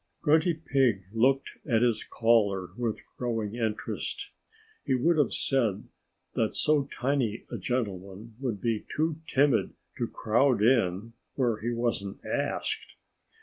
Grunty Pig looked at his caller with growing interest. He would have said that so tiny a gentleman would be too timid to crowd in where he wasn't asked.